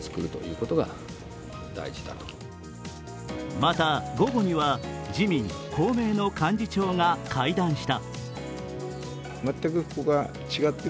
また午後には、自民、公明の幹事長が会談した。